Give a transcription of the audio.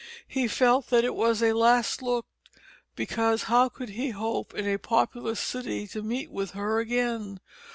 He felt that it was a last look, because, how could he hope in a populous city to meet with her again?